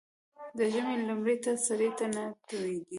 ـ د ژمي لمر ته سړى نه تودېږي.